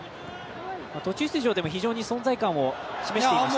途中出場でも非常に存在感を示していました。